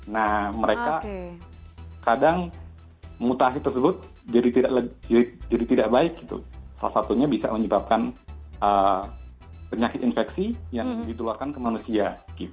nah mereka kadang mutasi tersebut jadi tidak baik salah satunya bisa menyebabkan penyakit infeksi yang ditularkan ke manusia